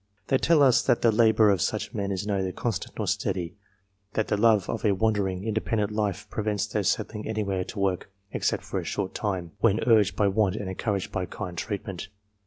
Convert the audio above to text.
They tell us that the labour of such men is neither constant nor steady ; that the love of a wandering, independent life prevents their settling anywhere to work, except for a short time, when urged by want and encouraged by kind treatment.